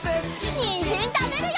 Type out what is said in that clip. にんじんたべるよ！